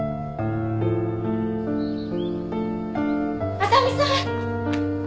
浅見さん！